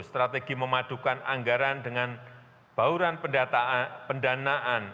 strategi memadukan anggaran dengan bauran pendanaan